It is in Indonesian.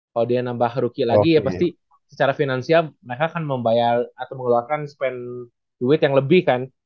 kalau dia nambah rookie lagi ya pasti secara finansial mereka akan membayar atau mengeluarkan spend duit yang lebih kan